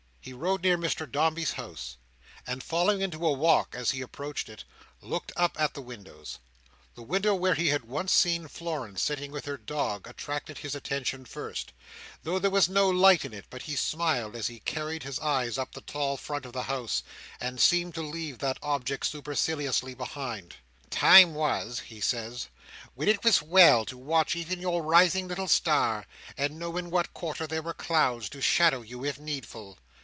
He rode near Mr Dombey's house; and falling into a walk as he approached it, looked up at the windows The window where he had once seen Florence sitting with her dog attracted his attention first, though there was no light in it; but he smiled as he carried his eyes up the tall front of the house, and seemed to leave that object superciliously behind. "Time was," he said, "when it was well to watch even your rising little star, and know in what quarter there were clouds, to shadow you if needful.